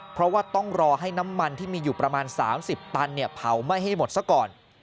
เพราะว่าต้องรอให้น้ำมันที่มีอยู่ประมาณ๓๐ตันเผาไหม้ให้หมดซะก่อน